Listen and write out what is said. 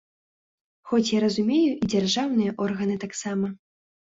Хоць я разумею і дзяржаўныя органы таксама.